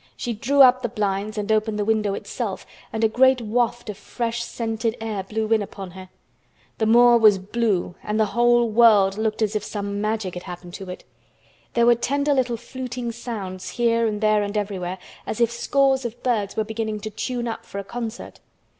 She drew up the blinds and opened the window itself and a great waft of fresh, scented air blew in upon her. The moor was blue and the whole world looked as if something Magic had happened to it. There were tender little fluting sounds here and there and everywhere, as if scores of birds were beginning to tune up for a concert.